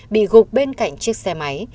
bị gục bên cạnh chiếc xe máy